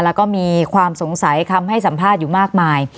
แล้วก็มีความสงสัยคำให้สัมภาษณ์อยู่มากมาย